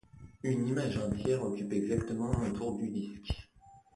Une image entière occupe exactement un tour du disque.